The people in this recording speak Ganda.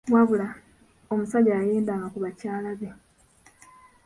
"Wabula, omusajja yayendanga ku bakyala be!"